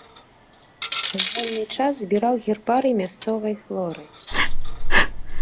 У вольны час збіраў гербарый мясцовай флоры.